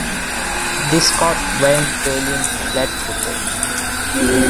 This caught Van Deerlin flat-footed.